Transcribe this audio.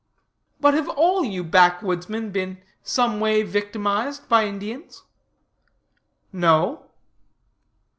But, have all you backwoodsmen been some way victimized by Indians? No.